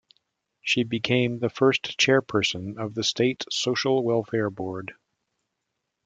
She became the first chairperson of the State Social Welfare Board.